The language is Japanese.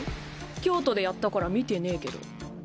京都でやったから見てねぇけど。